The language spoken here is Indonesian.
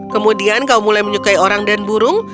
kemudian kau mulai menyukai orang dan burung